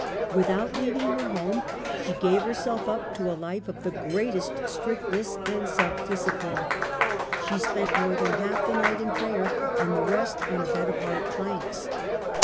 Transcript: Without leaving her home, she gave herself up to a life of the greatest strictness and self discipHne. She spent more than half the night in prayer, and the rest on a bed of hard planks.